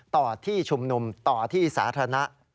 ต่อที่ชุมนุมต่อที่สาธารณะ